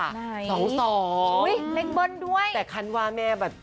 ไหนอุ๊ยเล็กเบิ้ลด้วยสองสองแต่คันวาแม่แบบ